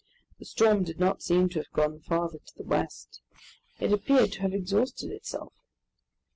The storm did not seem to have gone farther to the west. It appeared to have exhausted itself.